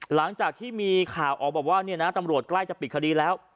หลังจากที่มีข่าวออกบอกว่าตำรวจใกล้จะปิดคดีแล้ว